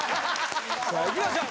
さあいきましょう！